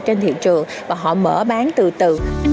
trên thị trường và họ mở bán từ từ